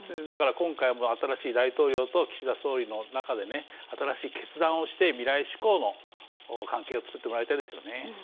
だから今回も新しい大統領と岸田総理の中で新しい決断をして未来志向の関係を作ってもらいたいですよね。